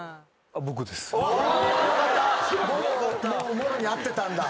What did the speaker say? もろに合ってたんだ。